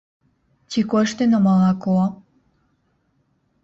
Ці кошты на малако.